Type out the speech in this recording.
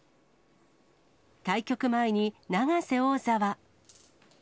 対局前に永瀬王座は。